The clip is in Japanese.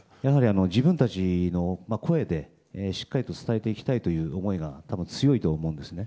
自分たちの声でしっかりと伝えていきたいという思いが多分、強いと思うんですね。